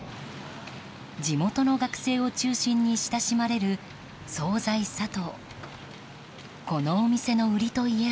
地元の学生を中心に親しまれる惣菜さとう。